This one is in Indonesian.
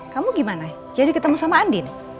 kamu gimana jadi ketemu sama andin